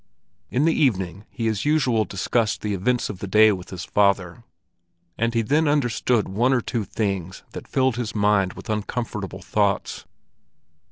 In the evening he as usual discussed the events of the day with his father, and he then understood one or two things that filled his mind with uncomfortable thoughts.